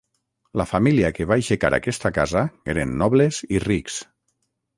La família que va aixecar aquesta casa eren nobles i rics.